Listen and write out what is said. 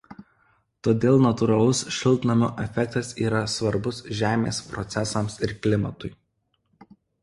Todėl natūralus šiltnamio efektas yra svarbus Žemės procesams ir klimatui.